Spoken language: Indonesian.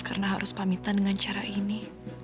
karena harus pamitan dengan cara ini